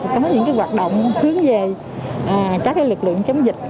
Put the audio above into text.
có những hoạt động hướng về các lực lượng chống dịch